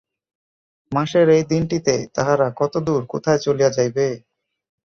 মাসের এই দিনটিতে তাহারা কতদূর, কোথায় চলিয়া যাইবে!